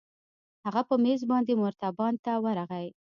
هغه په مېز باندې مرتبان ته ورغى.